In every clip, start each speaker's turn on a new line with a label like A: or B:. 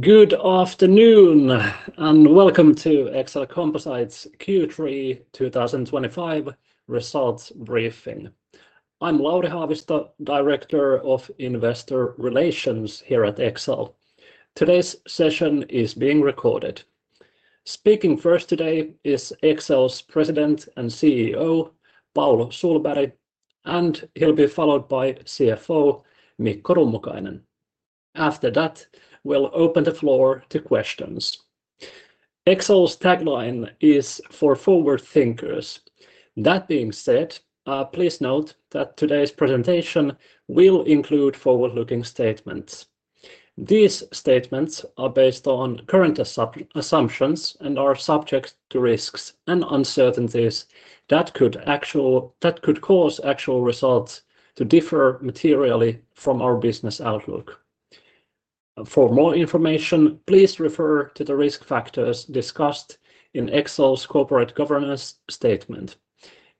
A: Good afternoon and welcome to Exel Composites Q3 2025 results briefing. I'm Lauri Haavisto, Director of Investor Relations here at Exel. Today's session is being recorded. Speaking first today is Exel's President and CEO, Paul Sohlberg, and he'll be followed by CFO, Mikko Rummukainen. After that, we'll open the floor to questions. Exel's tagline is for forward thinkers. That being said, please note that today's presentation will include forward-looking statements. These statements are based on current assumptions and are subject to risks and uncertainties that could cause actual results to differ materially from our business outlook. For more information, please refer to the risk factors discussed in Exel's corporate governance statement.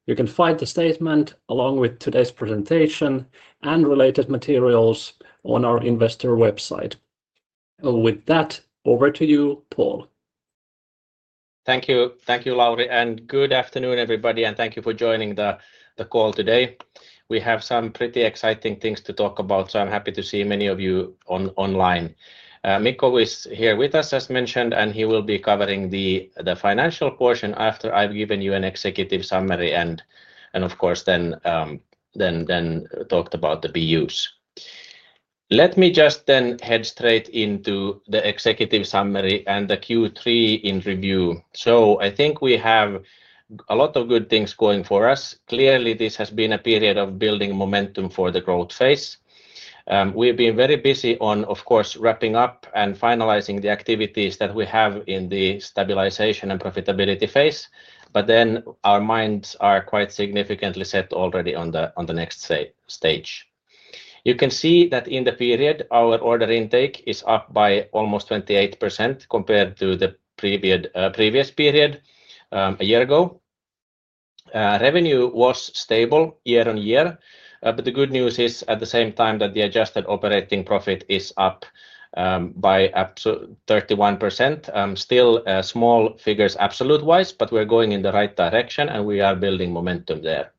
A: You can find the statement along with today's presentation and related materials on our investor website. With that, over to you, Paul.
B: Thank you. Thank you, Lauri, and good afternoon, everybody, and thank you for joining the call today. We have some pretty exciting things to talk about, so I'm happy to see many of you online. Mikko is here with us, as mentioned, and he will be covering the financial portion after I've given you an executive summary and, of course, then talked about the BUs. Let me just then head straight into the executive summary and the Q3 in review. I think we have a lot of good things going for us. Clearly, this has been a period of building momentum for the growth phase. We've been very busy on, of course, wrapping up and finalizing the activities that we have in the stabilization and profitability phase, but then our minds are quite significantly set already on the next stage. You can see that in the period, our order intake is up by almost 28% compared to the previous period a year ago. Revenue was stable year on year, but the good news is at the same time that the adjusted operating profit is up by up to 31%. Still small figures absolute-wise, but we're going in the right direction and we are building momentum there.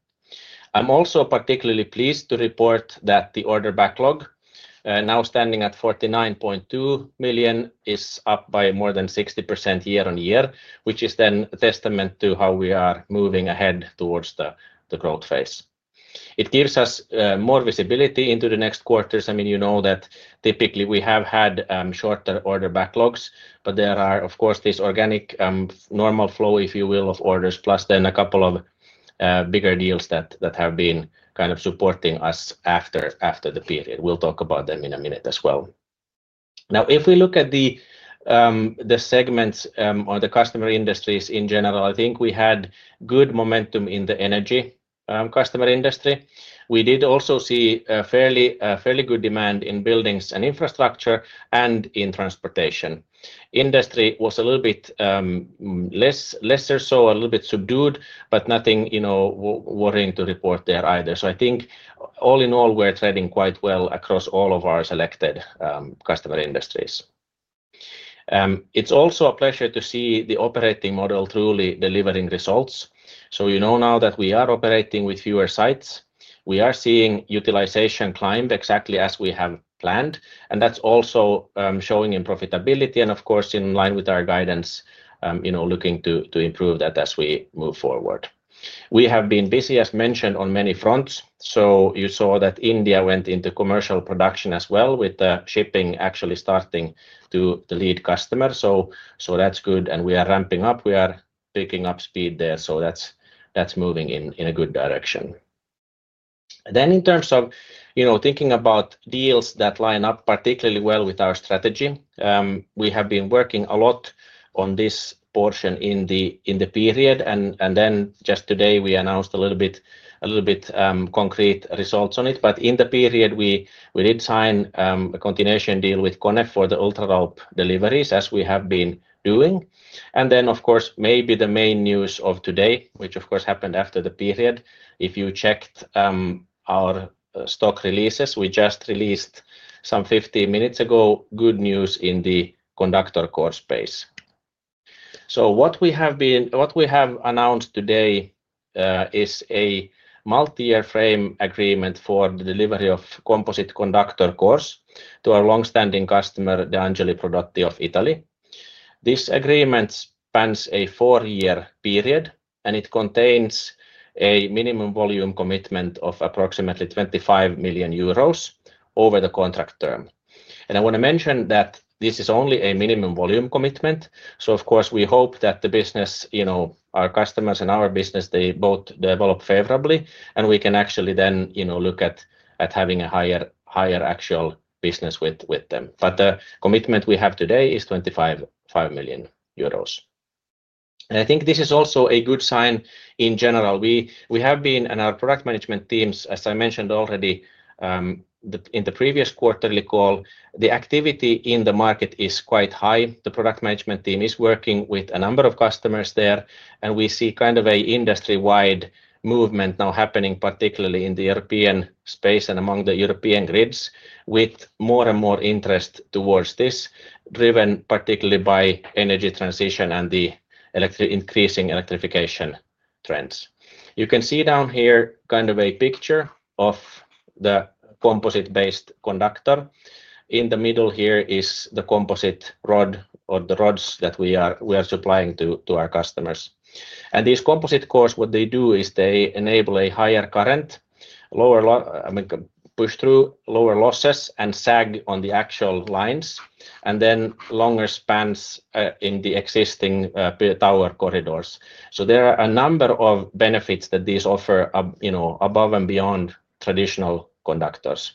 B: I'm also particularly pleased to report that the order backlog, now standing at 49.2 million, is up by more than 60% year on year, which is then a testament to how we are moving ahead towards the growth phase. It gives us more visibility into the next quarters. I mean, you know that typically we have had shorter order backlogs, but there are, of course, this organic normal flow, if you will, of orders, plus then a couple of bigger deals that have been kind of supporting us after the period. We'll talk about them in a minute as well. Now, if we look at the segments or the customer industries in general, I think we had good momentum in the energy customer industry. We did also see fairly good demand in buildings and infrastructure and in transportation. Industry was a little bit lesser so, a little bit subdued, but nothing worrying to report there either. I think all in all, we're trading quite well across all of our selected customer industries. It's also a pleasure to see the operating model truly delivering results. You know now that we are operating with fewer sites, we are seeing utilization climb exactly as we have planned, and that's also showing in profitability and, of course, in line with our guidance, looking to improve that as we move forward. We have been busy, as mentioned, on many fronts. You saw that India went into commercial production as well, with the shipping actually starting to lead customers. That's good, and we are ramping up. We are picking up speed there, so that's moving in a good direction. In terms of thinking about deals that line up particularly well with our strategy, we have been working a lot on this portion in the period, and just today we announced a little bit. Concrete results on it, but in the period, we did sign a continuation deal with Kone for the UltraRope deliveries, as we have been doing. Of course, maybe the main news of today, which of course happened after the period, if you checked our stock releases, we just released some 50 minutes ago good news in the conductor core space. What we have announced today is a multi-year frame agreement for the delivery of composite conductor cores to our long-standing customer, Angeli Prodotti of Italy. This agreement spans a four-year period, and it contains a minimum volume commitment of approximately 25 million euros over the contract term. I want to mention that this is only a minimum volume commitment, so of course we hope that the business. Our customers and our business, they both develop favorably, and we can actually then look at having a higher actual business with them. The commitment we have today is 25 million euros. I think this is also a good sign in general. We have been, and our product management teams, as I mentioned already in the previous quarterly call, the activity in the market is quite high. The product management team is working with a number of customers there, and we see kind of an industry-wide movement now happening, particularly in the European space and among the European grids, with more and more interest towards this, driven particularly by energy transition and the increasing electrification trends. You can see down here kind of a picture of the composite-based conductor. In the middle here is the composite rod or the rods that we are supplying to our customers. These composite cores, what they do is they enable a higher current, push-through, lower losses, and sag on the actual lines, and then longer spans in the existing tower corridors. There are a number of benefits that these offer above and beyond traditional conductors.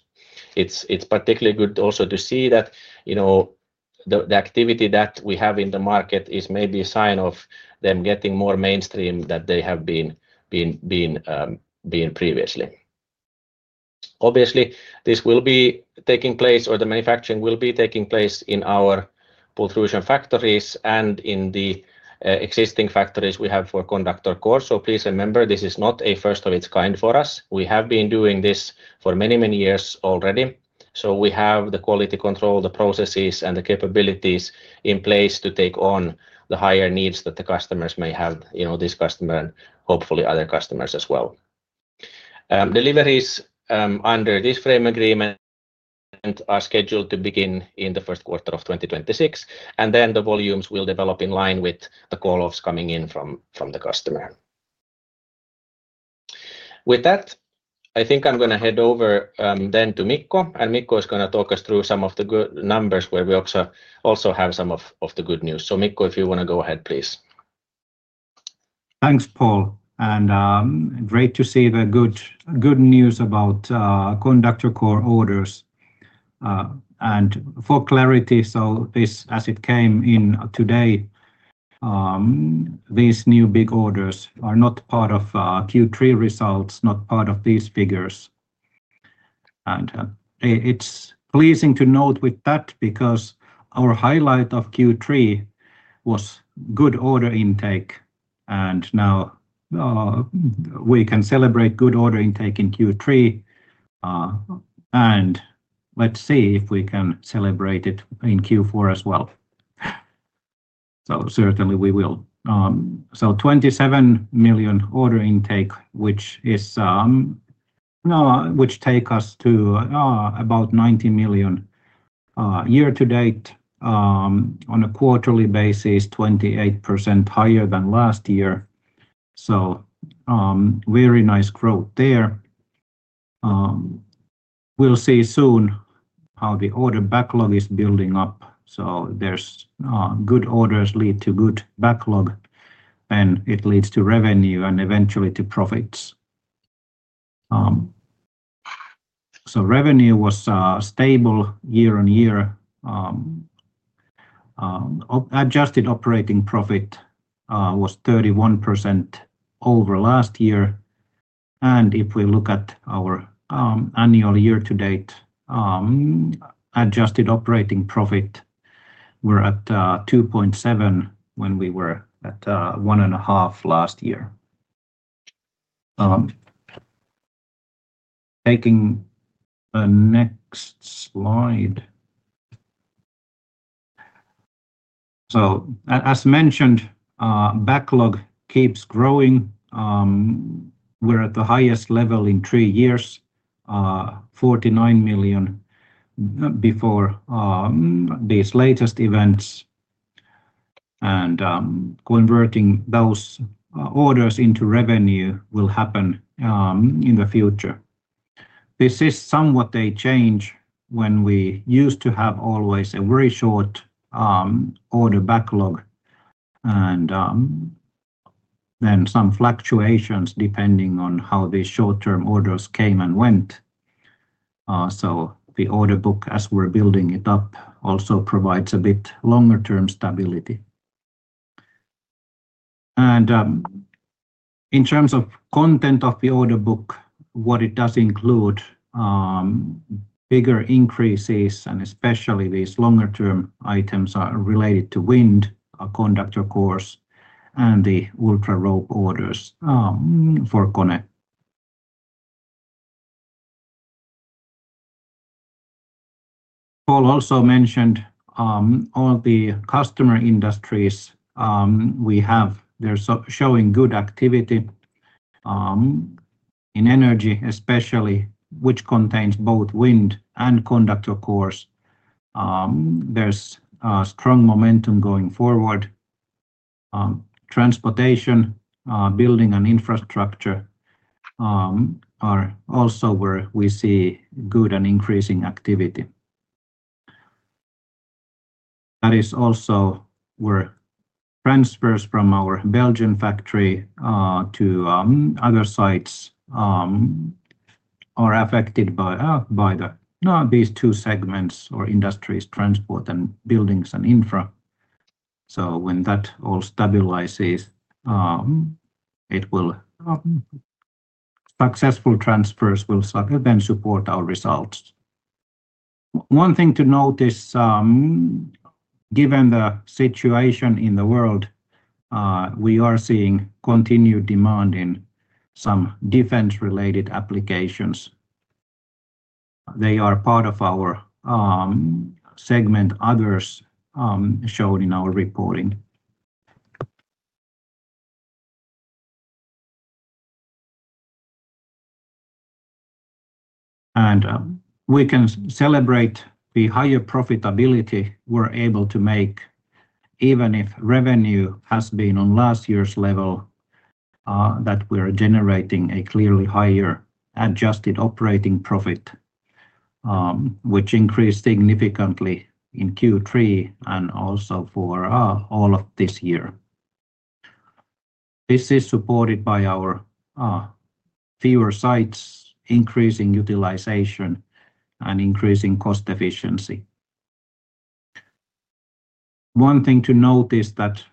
B: It's particularly good also to see that the activity that we have in the market is maybe a sign of them getting more mainstream than they have been previously. Obviously, this will be taking place, or the manufacturing will be taking place in our pultrusion factories and in the existing factories we have for conductor cores. Please remember, this is not a first of its kind for us. We have been doing this for many, many years already. We have the quality control, the processes, and the capabilities in place to take on the higher needs that the customers may have, this customer and hopefully other customers as well. Deliveries under this frame agreement are scheduled to begin in the first quarter of 2026, and then the volumes will develop in line with the call-offs coming in from the customer. With that, I think I'm going to head over then to Mikko, and Mikko is going to talk us through some of the good numbers where we also have some of the good news. Mikko, if you want to go ahead, please.
C: Thanks, Paul. Great to see the good news about conductor core orders. For clarity, as it came in today, these new big orders are not part of Q3 results, not part of these figures. It's pleasing to note that because our highlight of Q3 was good order intake, and now we can celebrate good order intake in Q3. Let's see if we can celebrate it in Q4 as well. Certainly we will. 27 million order intake, which takes us to about 90 million year to date. On a quarterly basis, 28% higher than last year. Very nice growth there. We'll see soon how the order backlog is building up. Good orders lead to good backlog, and it leads to revenue and eventually to profits. Revenue was stable year on year. Adjusted operating profit was 31% over last year. If we look at our annual year to date adjusted operating profit, we're at 2.7 million when we were at 1.5 million last year. Taking the next slide. As mentioned, backlog keeps growing. We're at the highest level in three years, 49 million before these latest events. Converting those orders into revenue will happen in the future. This is somewhat a change when we used to have always a very short order backlog, and then some fluctuations depending on how these short-term orders came and went. The order book, as we're building it up, also provides a bit longer-term stability. In terms of content of the order book, what it does include, bigger increases, and especially these longer-term items are related to wind, composite conductor cores, and the UltraRope orders for Kone. Paul also mentioned all the customer industries. We have, they're showing good activity. In energy, especially, which contains both wind and conductor cores. There's strong momentum going forward. Transportation, building and infrastructure are also where we see good and increasing activity. That is also where transfers from our Belgian factory to other sites are affected by these two segments or industries, transport and buildings and infra. When that all stabilizes, successful transfers will then support our results. One thing to notice, given the situation in the world, we are seeing continued demand in some defense-related applications. They are part of our segment, others, showed in our reporting. We can celebrate the higher profitability we're able to make, even if revenue has been on last year's level, that we're generating a clearly higher adjusted operating profit, which increased significantly in Q3 and also for all of this year. This is supported by our. Fewer sites, increasing utilization, and increasing cost efficiency. One thing to notice is that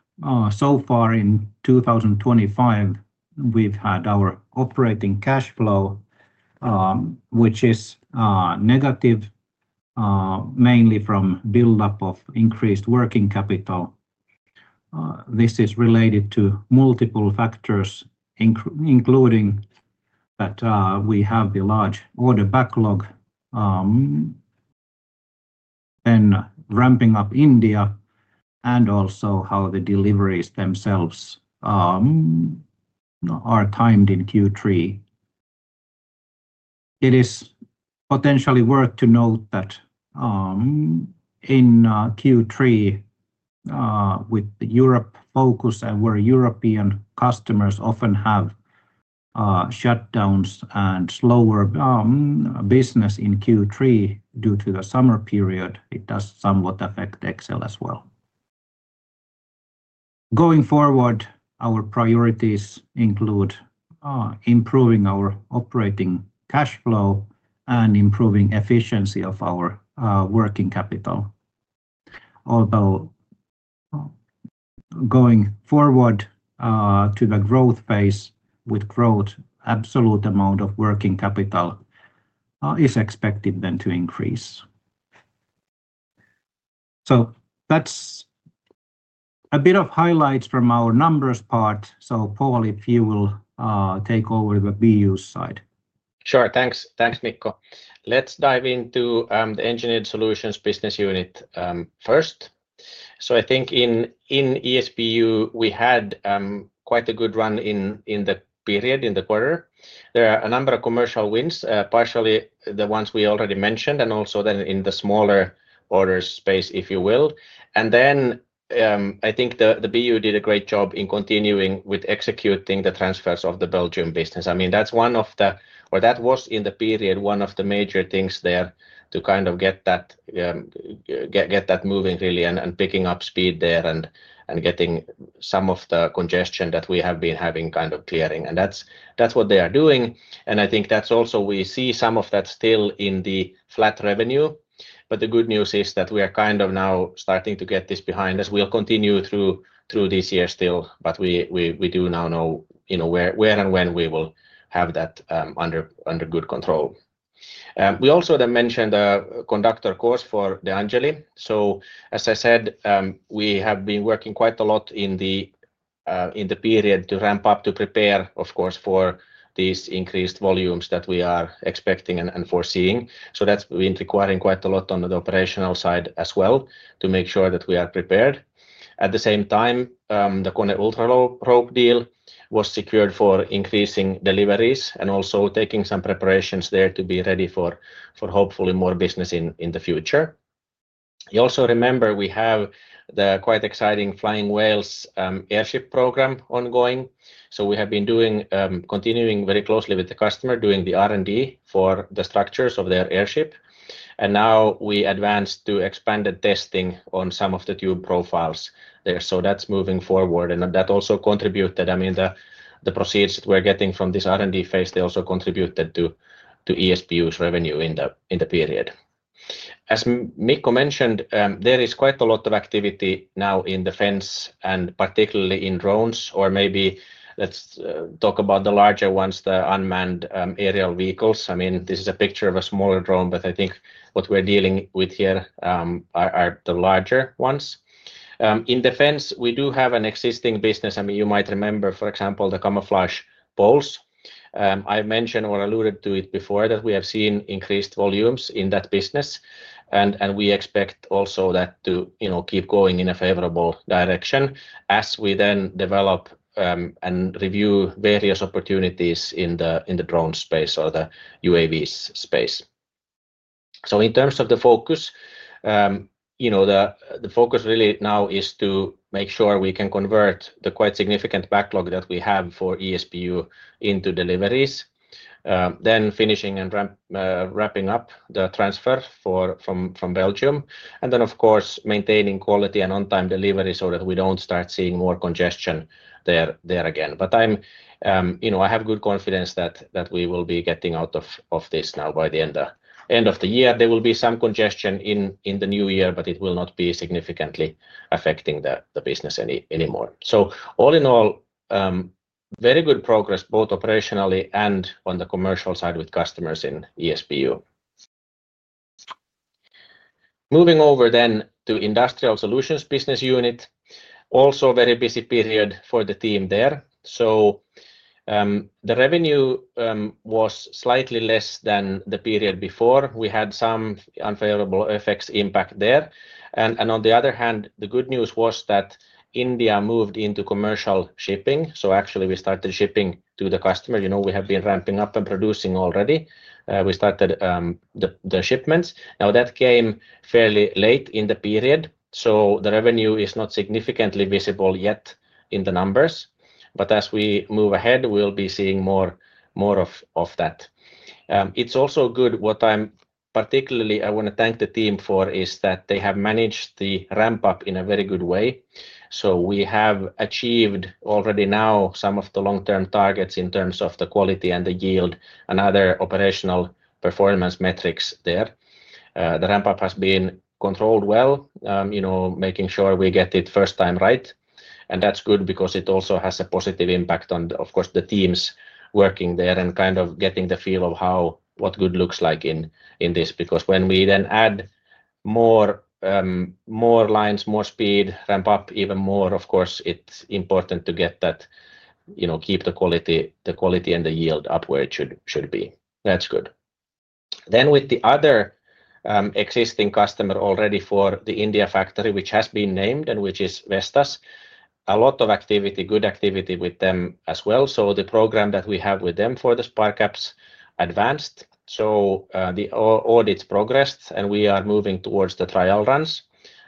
C: so far in 2025, we've had our operating cash flow, which is negative, mainly from buildup of increased working capital. This is related to multiple factors, including that we have the large order backlog, then ramping up India, and also how the deliveries themselves are timed in Q3. It is potentially worth to note that in Q3, with the Europe focus and where European customers often have shutdowns and slower business in Q3 due to the summer period, it does somewhat affect Exel as well. Going forward, our priorities include improving our operating cash flow and improving efficiency of our working capital. Although, going forward to the growth phase, with growth, absolute amount of working capital is expected then to increase. So that's a bit of highlights from our numbers part. Paul, if you will take over the BU side.
B: Sure, thanks, Mikko. Let's dive into the Engineered Solutions Business Unit first. I think in ESBU, we had quite a good run in the period, in the quarter. There are a number of commercial wins, partially the ones we already mentioned, and also in the smaller order space, if you will. I think the BU did a great job in continuing with executing the transfers of the Belgian business. I mean, that was in the period one of the major things there to kind of get that moving really and picking up speed there and getting some of the congestion that we have been having kind of clearing. That is what they are doing. I think that is also why we see some of that still in the flat revenue. The good news is that we are kind of now starting to get this behind us. We'll continue through this year still, but we do now know where and when we will have that under good control. We also then mentioned the conductor cores for the Angeli. As I said, we have been working quite a lot in the period to ramp up, to prepare, of course, for these increased volumes that we are expecting and foreseeing. That's been requiring quite a lot on the operational side as well to make sure that we are prepared. At the same time, the Connect UltraRope deal was secured for increasing deliveries and also taking some preparations there to be ready for hopefully more business in the future. You also remember we have the quite exciting Flying Whales airship program ongoing. We have been continuing very closely with the customer, doing the R&D for the structures of their airship. Now we advanced to expanded testing on some of the tube profiles there. That is moving forward. That also contributed. I mean, the proceeds that we are getting from this R&D phase, they also contributed to ESBU's revenue in the period. As Mikko mentioned, there is quite a lot of activity now in defense and particularly in drones. Or maybe let's talk about the larger ones, the unmanned aerial vehicles. I mean, this is a picture of a smaller drone, but I think what we are dealing with here are the larger ones. In defense, we do have an existing business. I mean, you might remember, for example, the camouflage poles. I mentioned or alluded to it before that we have seen increased volumes in that business. We expect also that to keep going in a favorable direction as we then develop and review various opportunities in the drone space or the UAV space. In terms of the focus, the focus really now is to make sure we can convert the quite significant backlog that we have for ESBU into deliveries. Then finishing and wrapping up the transfer from Belgium, and then, of course, maintaining quality and on-time delivery so that we do not start seeing more congestion there again. I have good confidence that we will be getting out of this now by the end of the year. There will be some congestion in the new year, but it will not be significantly affecting the business anymore. All in all, very good progress, both operationally and on the commercial side with customers in ESBU. Moving over then to Industrial Solutions Business Unit. Also a very busy period for the team there. The revenue was slightly less than the period before. We had some unfavorable effects impact there. On the other hand, the good news was that India moved into commercial shipping. Actually we started shipping to the customer. We have been ramping up and producing already. We started the shipments. That came fairly late in the period. The revenue is not significantly visible yet in the numbers. As we move ahead, we'll be seeing more of that. What I particularly want to thank the team for is that they have managed the ramp-up in a very good way. We have achieved already now some of the long-term targets in terms of the quality and the yield and other operational performance metrics there. The ramp-up has been controlled well. Making sure we get it first time right. That's good because it also has a positive impact on, of course, the teams working there and kind of getting the feel of what good looks like in this. When we then add more lines, more speed, ramp up even more, of course, it's important to get that. Keep the quality and the yield up where it should be. That's good. With the other existing customer already for the India factory, which has been named and which is Vestas, a lot of activity, good activity with them as well. The program that we have with them for the SparCap advanced, the audits progressed and we are moving towards the trial runs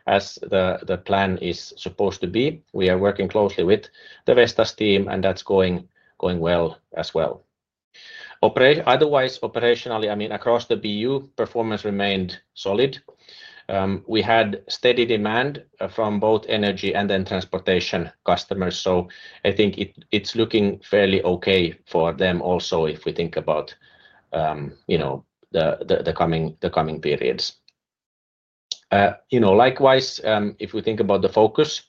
B: as the plan is supposed to be. We are working closely with the Vestas team and that's going well as well. Otherwise, operationally, I mean, across the BU, performance remained solid. We had steady demand from both energy and then transportation customers. I think it's looking fairly okay for them also if we think about the coming periods. Likewise, if we think about the focus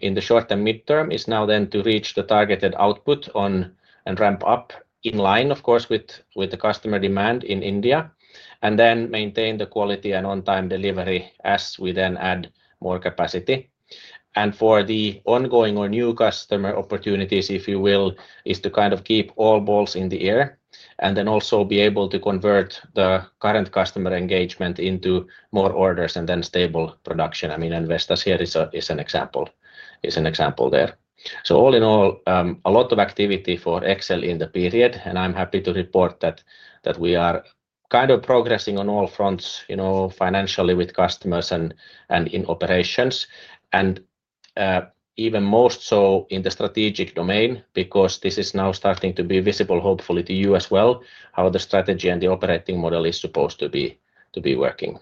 B: in the short and midterm, it is now then to reach the targeted output and ramp up in line, of course, with the customer demand in India. Then maintain the quality and on-time delivery as we add more capacity. For the ongoing or new customer opportunities, if you will, it is to kind of keep all balls in the air and then also be able to convert the current customer engagement into more orders and then stable production. I mean, Vestas here is an example. There. All in all, a lot of activity for Exel in the period. I'm happy to report that we are kind of progressing on all fronts, financially with customers and in operations. Even more so in the strategic domain because this is now starting to be visible, hopefully to you as well, how the strategy and the operating model is supposed to be working.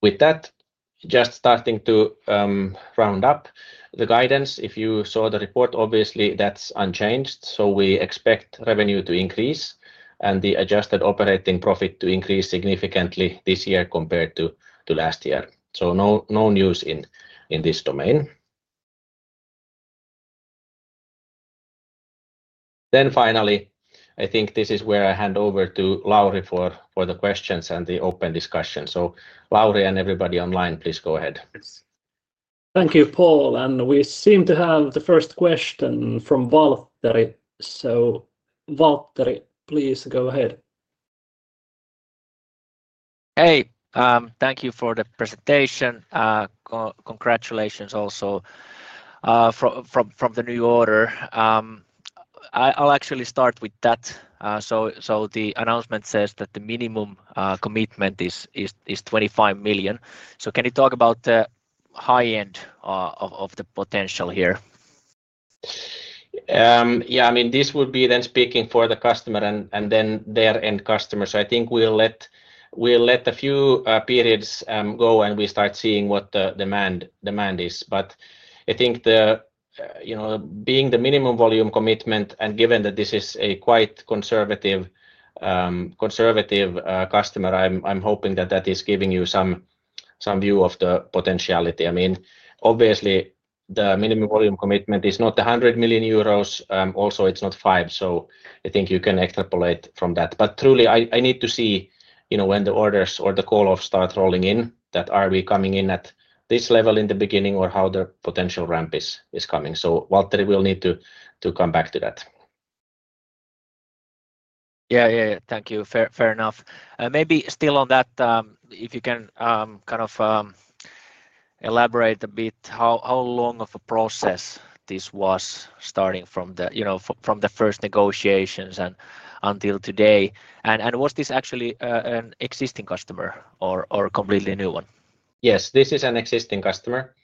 B: With that, just starting to round up the guidance. If you saw the report, obviously that's unchanged. We expect revenue to increase and the adjusted operating profit to increase significantly this year compared to last year. No news in this domain. Finally, I think this is where I hand over to Lauri for the questions and the open discussion. Lauri and everybody online, please go ahead.
A: Thank you, Paul. We seem to have the first question from Valtteri. Valtteri, please go ahead. Hey, thank you for the presentation. Congratulations also from the new order. I'll actually start with that. The announcement says that the minimum commitment is 25 million. Can you talk about the high end of the potential here?
B: Yeah, I mean, this would be then speaking for the customer and then their end customers. I think we'll let a few periods go and we start seeing what the demand is. I think, being the minimum volume commitment and given that this is a quite conservative customer, I'm hoping that that is giving you some view of the potentiality. I mean, obviously the minimum volume commitment is not 100 million euros. Also, it's not 5 million. I think you can extrapolate from that. Truly, I need to see when the orders or the call-offs start rolling in, that are we coming in at this level in the beginning or how the potential ramp is coming. Valtteri will need to come back to that. Yeah, thank you. Fair enough. Maybe still on that, if you can kind of elaborate a bit, how long of a process this was starting from the first negotiations and until today. And was this actually an existing customer or a completely new one? Yes, this is an existing customer.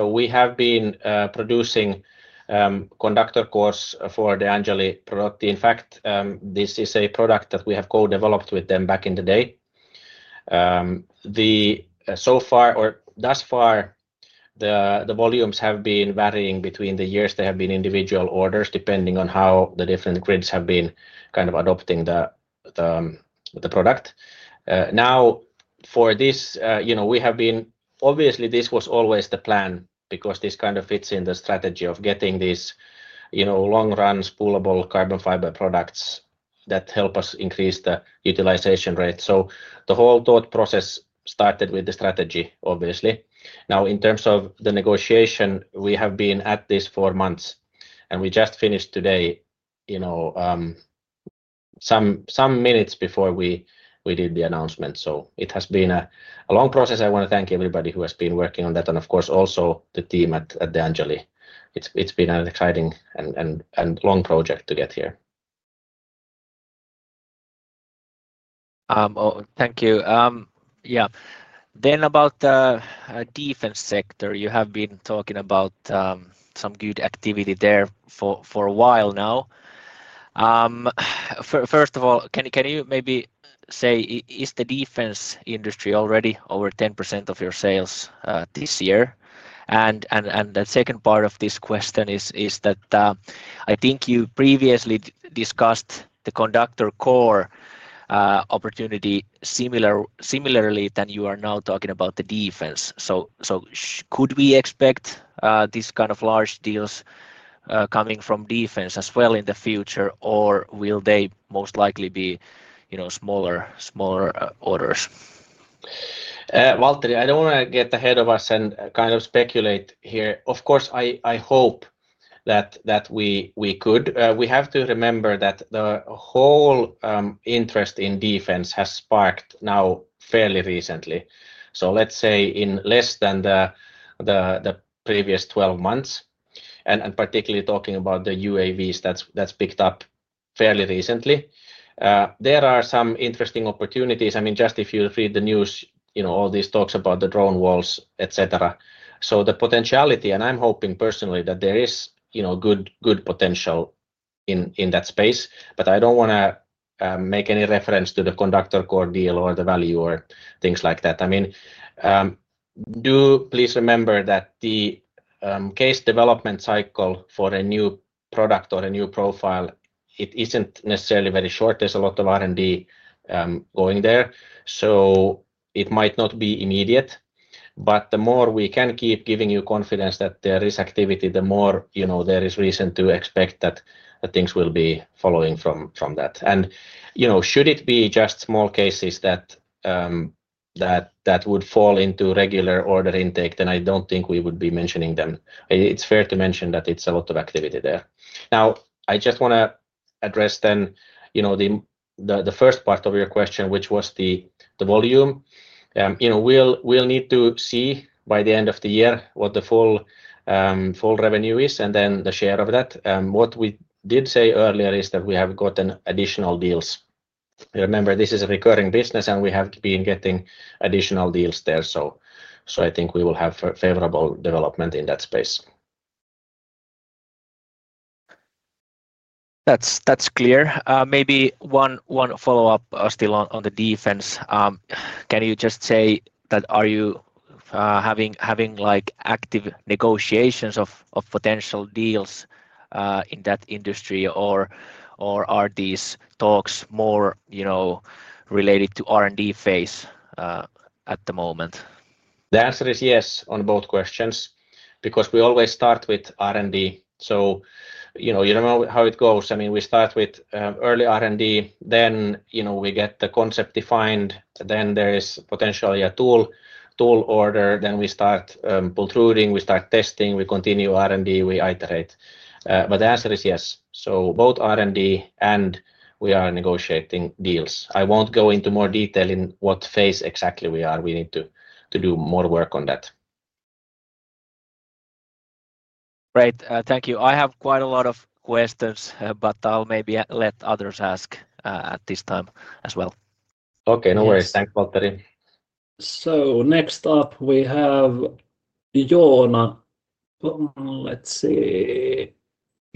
B: We have been producing conductor cores for Angeli Prodotti. In fact, this is a product that we have co-developed with them back in the day. So far, or thus far, the volumes have been varying between the years. They have been individual orders depending on how the different grids have been kind of adopting the product. Now, for this, we have been obviously, this was always the plan because this kind of fits in the strategy of getting these long-run spoolable carbon fiber products that help us increase the utilization rate. The whole thought process started with the strategy, obviously. In terms of the negotiation, we have been at this four months and we just finished today, some minutes before we did the announcement. It has been a long process. I want to thank everybody who has been working on that and of course also the team at Angeli Prodotti. It's been an exciting and long project to get here. Thank you. Yeah. About the defense sector, you have been talking about some good activity there for a while now. First of all, can you maybe say, is the defense industry already over 10% of your sales this year? The second part of this question is that I think you previously discussed the conductor core opportunity similarly to how you are now talking about the defense. Could we expect these kind of large deals coming from defense as well in the future, or will they most likely be smaller orders? Valtteri, I don't want to get ahead of us and kind of speculate here. Of course, I hope that. We could. We have to remember that the whole interest in defense has sparked now fairly recently. Let's say in less than the previous 12 months, and particularly talking about the UAVs, that's picked up fairly recently. There are some interesting opportunities. I mean, just if you read the news, all these talks about the drone walls, etc. The potentiality, and I'm hoping personally that there is good potential in that space. I don't want to make any reference to the conductor core deal or the value or things like that. I mean, do please remember that the case development cycle for a new product or a new profile, it isn't necessarily very short. There's a lot of R&D going there. It might not be immediate. The more we can keep giving you confidence that there is activity, the more there is reason to expect that things will be following from that. Should it be just small cases that would fall into regular order intake, then I do not think we would be mentioning them. It is fair to mention that it is a lot of activity there. Now, I just want to address the first part of your question, which was the volume. We will need to see by the end of the year what the full revenue is and then the share of that. What we did say earlier is that we have gotten additional deals. Remember, this is a recurring business and we have been getting additional deals there. I think we will have favorable development in that space. That's clear. Maybe one follow-up still on the defense. Can you just say that are you having active negotiations of potential deals in that industry, or are these talks more related to R&D phase at the moment? The answer is yes on both questions because we always start with R&D. You don't know how it goes. I mean, we start with early R&D, then we get the concept defined, then there is potentially a tool order, then we start pultruding, we start testing, we continue R&D, we iterate. But the answer is yes. Both R&D and we are negotiating deals. I won't go into more detail in what phase exactly we are. We need to do more work on that. Great. Thank you. I have quite a lot of questions, but I'll maybe let others ask at this time as well. Okay, no worries. Thanks, Valtteri.
A: Next up we have Joona. Let's see.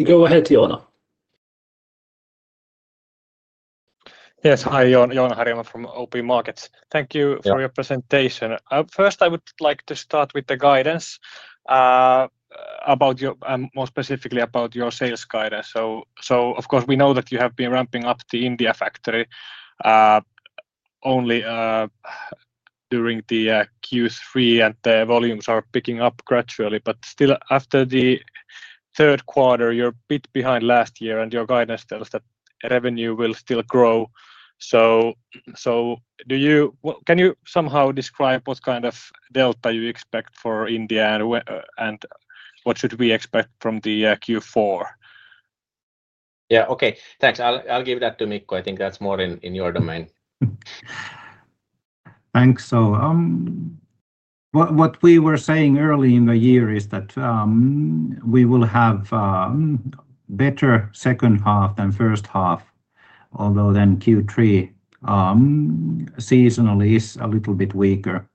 A: Go ahead, Joona.
D: Yes, hi, Joona Harjama from OP Markets. Thank you for your presentation. First, I would like to start with the guidance. More specifically about your sales guidance. Of course, we know that you have been ramping up the India factory only during the Q3 and the volumes are picking up gradually. Still, after the third quarter, you are a bit behind last year and your guidance tells that revenue will still grow. Can you somehow describe what kind of delta you expect for India and what should we expect from the Q4?
B: Yeah, okay. Thanks. I'll give that to Mikko. I think that's more in your domain.
C: Thanks. What we were saying early in the year is that we will have a better second half than first half, although then Q3 seasonally is a little bit weaker.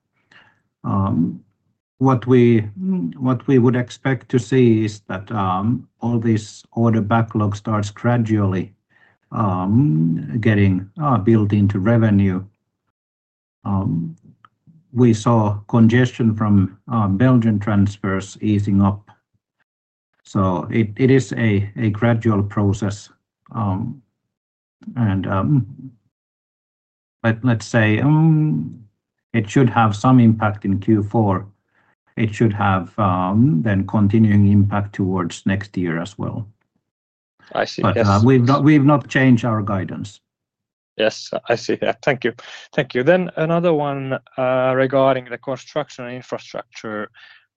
C: What we would expect to see is that all this order backlog starts gradually getting built into revenue. We saw congestion from Belgian transfers easing up. It is a gradual process. Let's say it should have some impact in Q4. It should have then continuing impact towards next year as well. We've not changed our guidance.
D: Yes, I see. Thank you. Thank you. Another one regarding the construction infrastructure.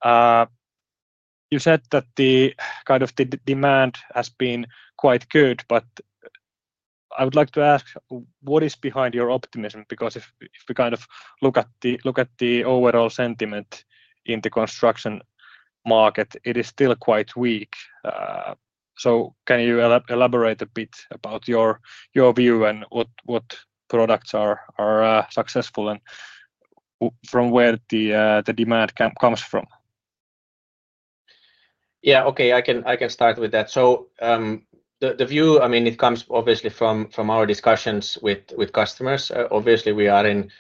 D: You said that the kind of demand has been quite good, but I would like to ask what is behind your optimism? Because if we kind of look at the overall sentiment in the construction market, it is still quite weak. Can you elaborate a bit about your view and what products are successful and from where the demand comes from?
B: Yeah, okay. I can start with that. The view, I mean, it comes obviously from our discussions with customers. Obviously, we are in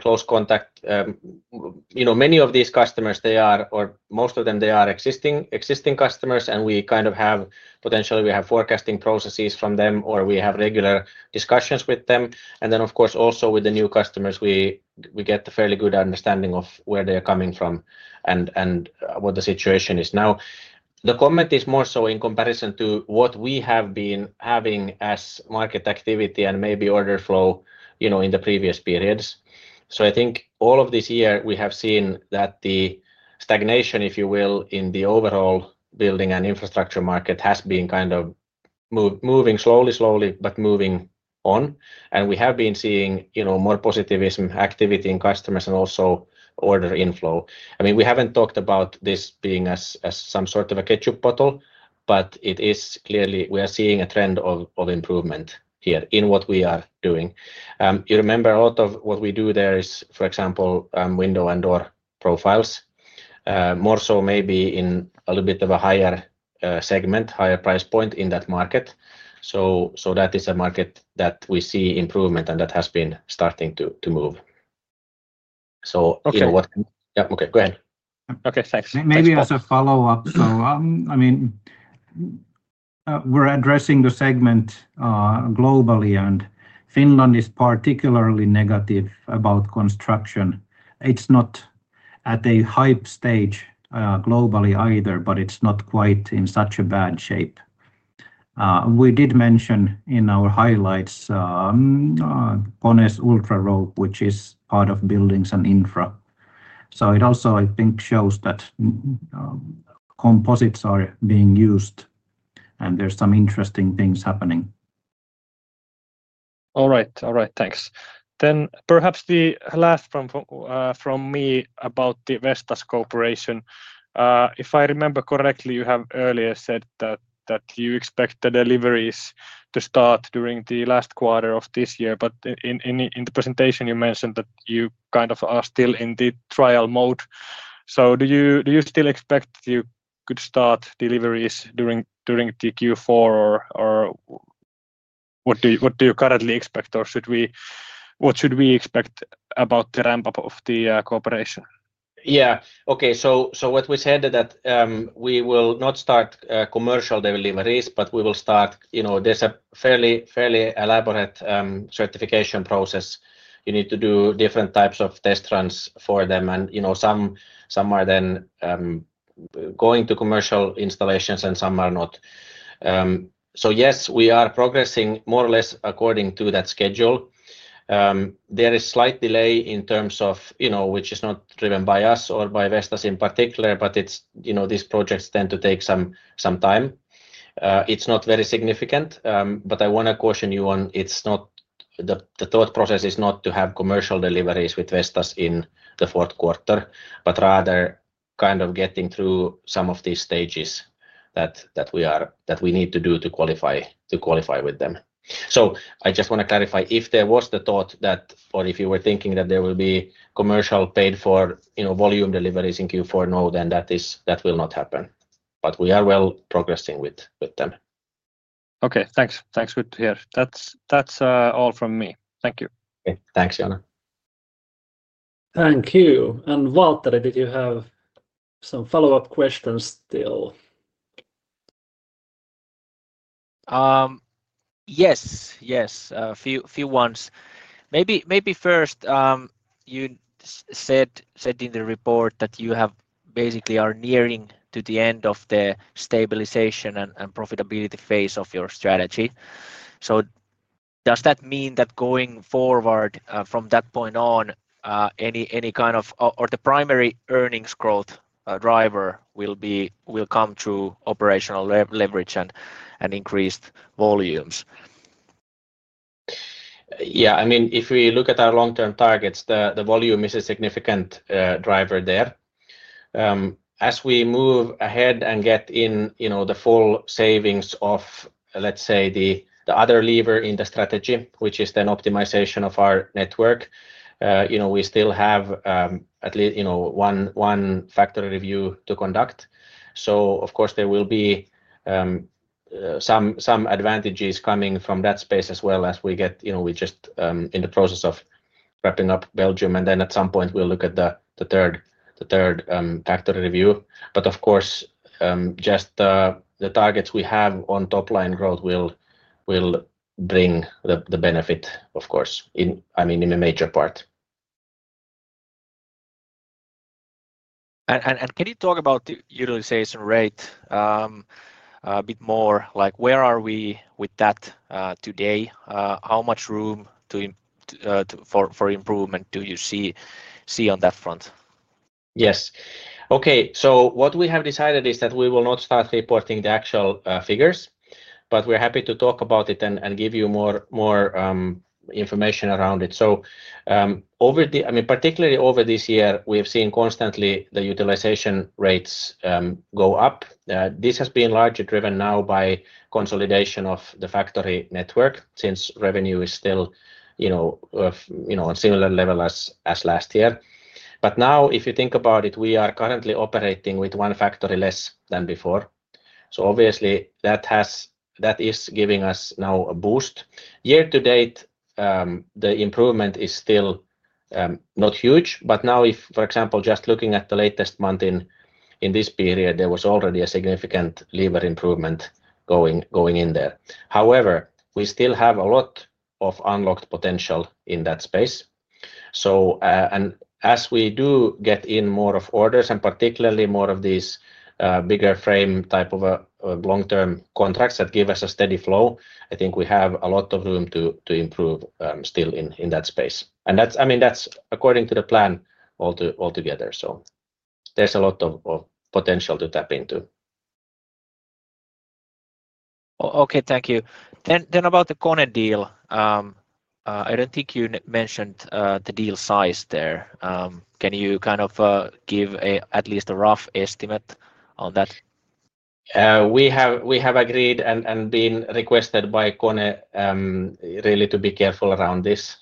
B: close contact. Many of these customers, they are, or most of them, they are existing customers. We kind of have potentially, we have forecasting processes from them or we have regular discussions with them. Of course, also with the new customers, we get a fairly good understanding of where they are coming from and what the situation is. The comment is more so in comparison to what we have been having as market activity and maybe order flow in the previous periods. I think all of this year, we have seen that the stagnation, if you will, in the overall building and infrastructure market has been kind of moving slowly, slowly, but moving on. We have been seeing more positivism, activity in customers, and also order inflow. I mean, we have not talked about this being as some sort of a ketchup bottle, but it is clearly we are seeing a trend of improvement here in what we are doing. You remember a lot of what we do there is, for example, window and door profiles. More so maybe in a little bit of a higher segment, higher price point in that market. That is a market that we see improvement and that has been starting to move.
C: What can—
B: yeah, okay, go ahead.
C: Okay, thanks. Maybe as a follow-up. I mean, we're addressing the segment globally, and Finland is particularly negative about construction. It's not at a hype stage globally either, but it's not quite in such a bad shape. We did mention in our highlights Kone's UltraRope, which is part of buildings and infra. It also, I think, shows that composites are being used, and there's some interesting things happening.
D: All right. All right. Thanks. Then perhaps the last from me about the Vestas Corporation. If I remember correctly, you have earlier said that you expect the deliveries to start during the last quarter of this year. In the presentation, you mentioned that you kind of are still in the trial mode. Do you still expect you could start deliveries during the Q4, or what do you currently expect, or what should we expect about the ramp-up of the cooperation?
B: Yeah. Okay. So what we said is that we will not start commercial deliveries, but we will start—there is a fairly elaborate certification process. You need to do different types of test runs for them. And some are then going to commercial installations and some are not. Yes, we are progressing more or less according to that schedule. There is slight delay in terms of—which is not driven by us or by Vestas in particular, but these projects tend to take some time. It is not very significant. I want to caution you on—the thought process is not to have commercial deliveries with Vestas in the fourth quarter, but rather kind of getting through some of these stages that we need to do to qualify with them. I just want to clarify if there was the thought that, or if you were thinking that there will be commercial paid-for volume deliveries in Q4, no, that will not happen. We are well progressing with them.
D: Okay. Thanks. Thanks, good to hear. That's all from me. Thank you.
B: Thanks, Joona.
A: Thank you. Valtteri, did you have some follow-up questions still? Yes. Yes. A few ones. Maybe first. You said in the report that you basically are nearing to the end of the stabilization and profitability phase of your strategy. Does that mean that going forward from that point on, any kind of—or the primary earnings growth driver will come through operational leverage and increased volumes?
B: Yeah. I mean, if we look at our long-term targets, the volume is a significant driver there. As we move ahead and get in the full savings of, let's say, the other lever in the strategy, which is then optimization of our network. We still have at least one factory review to conduct. Of course, there will be some advantages coming from that space as well as we get—we're just in the process of wrapping up Belgium. At some point, we'll look at the third factory review. Of course, just the targets we have on top line growth will bring the benefit, of course, I mean, in a major part. Can you talk about the utilization rate a bit more? Where are we with that today? How much room for improvement do you see on that front? Yes. Okay. So what we have decided is that we will not start reporting the actual figures, but we're happy to talk about it and give you more information around it. So, I mean, particularly over this year, we have seen constantly the utilization rates go up. This has been largely driven now by consolidation of the factory network since revenue is still on a similar level as last year. Now, if you think about it, we are currently operating with one factory less than before. Obviously, that is giving us now a boost. Year to date, the improvement is still not huge. Now, if, for example, just looking at the latest month in this period, there was already a significant lever improvement going in there. However, we still have a lot of unlocked potential in that space. As we do get in more of orders and particularly more of these bigger frame type of long-term contracts that give us a steady flow, I think we have a lot of room to improve still in that space. I mean, that's according to the plan altogether. There is a lot of potential to tap into. Okay. Thank you. About the Kone deal, I don't think you mentioned the deal size there. Can you kind of give at least a rough estimate on that? We have agreed and been requested by Kone really to be careful around this.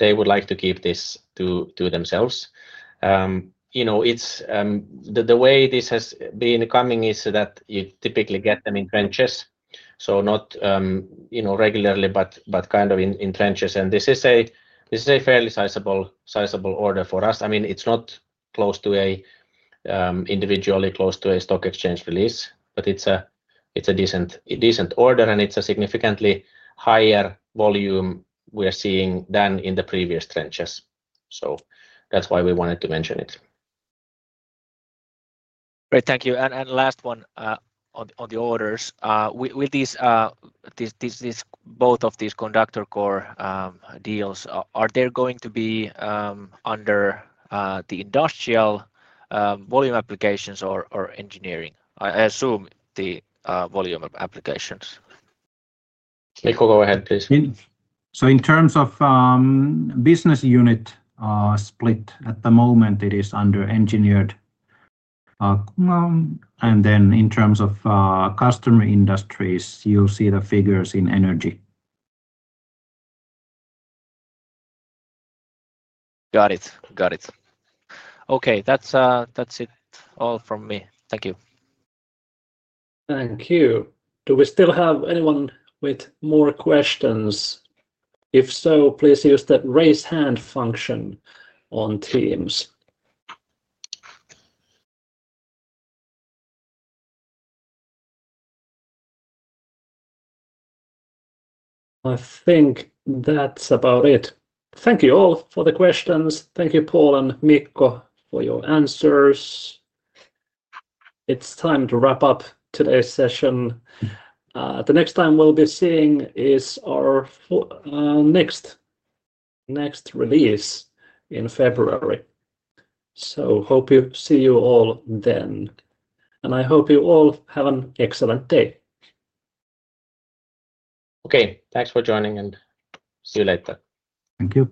B: They would like to keep this to themselves. The way this has been coming is that you typically get them in tranches, so not regularly, but kind of in tranches. This is a fairly sizable order for us. I mean, it's not close to a, individually, close to a stock exchange release, but it's a decent order and it's a significantly higher volume we are seeing than in the previous tranches. That is why we wanted to mention it. Great. Thank you. Last one. On the orders. With both of these conductor core deals, are they going to be under the industrial volume applications or engineering? I assume the volume applications. Mikko, go ahead, please.
C: In terms of business unit split, at the moment it is under engineered. In terms of customer industries, you'll see the figures in energy. Got it. Got it. Okay. That's it all from me. Thank you.
A: Thank you. Do we still have anyone with more questions? If so, please use the raise hand function on Teams. I think that's about it. Thank you all for the questions. Thank you, Paul and Mikko, for your answers. It's time to wrap up today's session. The next time we'll be seeing is our next release in February. Hope you see you all then. I hope you all have an excellent day.
B: Okay. Thanks for joining and see you later.
C: Thank you.